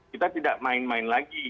kita tidak main main lagi